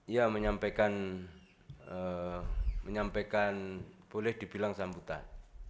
ya menyampaikan menyampaikan boleh dibilang sambutan